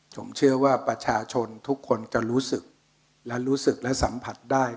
ผมเชื่อว่าประชาชนทุกคนจะรู้สึกและรู้สึกและสัมผัสได้